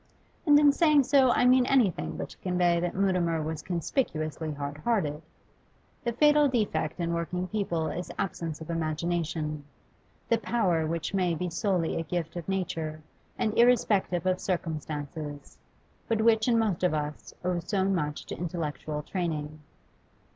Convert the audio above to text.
And in saying so I mean anything but to convey that Mutimer was conspicuously hard hearted. The fatal defect in working people is absence of imagination, the power which may be solely a gift of nature and irrespective of circumstances, but which in most of us owes so much to intellectual training.